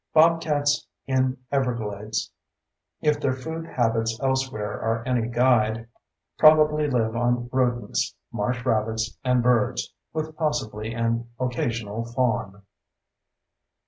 Bobcats in Everglades, if their food habits elsewhere are any guide, probably live on rodents, marsh rabbits, and birds, with possibly an occasional fawn.